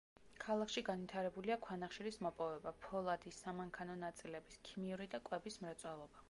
ქალაქში განვითარებულია ქვანახშირის მოპოვება, ფოლადის, სამანქანო ნაწილების, ქიმიური და კვების მრეწველობა.